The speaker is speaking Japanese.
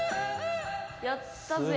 やったぜ！